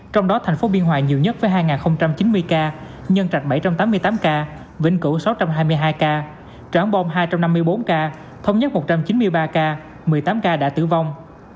trong đó thành phố biên hòa nhiều nhất với hai chín mươi ca nhân trạch bảy trăm tám mươi tám ca vĩnh cửu sáu trăm hai mươi hai ca tráng bom hai trăm năm mươi bốn ca thông nhất một trăm chín mươi ba ca một mươi tám ca đã tử vong